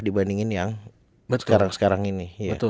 dibandingin yang sekarang sekarang ini